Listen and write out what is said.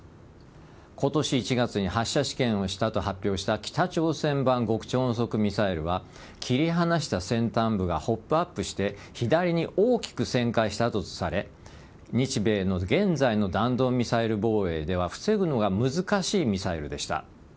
今年１月に発射試験をしたと発表した北朝鮮版極超音速ミサイルは切り離した先端部がホップアップして左に大きく旋回したとされ日米の現在の弾道ミサイル防衛では防ぐのが難しいミサイルでした。